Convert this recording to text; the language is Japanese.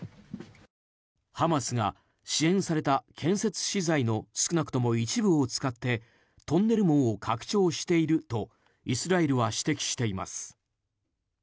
ハマスが、支援された建設資材の少なくとも一部を使ってトンネル網と拡張しているとイスラエルは指摘しています。